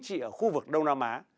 chính trị ở khu vực đông nam á